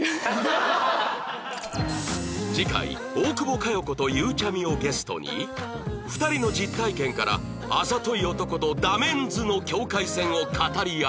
次回大久保佳代子とゆうちゃみをゲストに２人の実体験からあざとい男とダメンズの境界線を語り合う